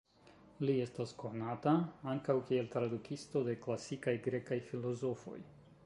Li estas konata ankaŭ kiel tradukisto de klasikaj grekaj filozofoj.